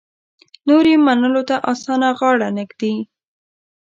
نور یې منلو ته اسانه غاړه نه ږدي.